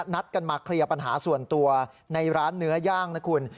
นัดกันมาเคลียร์ปัญหาส่วนตัวในร้านเนื้อย่างนะคุณ